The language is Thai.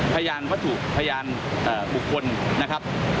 พยานวัตถุพยานบุคคลนะครับ